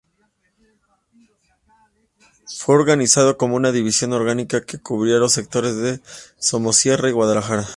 Fue organizada como una división orgánica que cubría los sectores de Somosierra y Guadalajara.